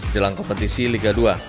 jelang kompetisi liga dua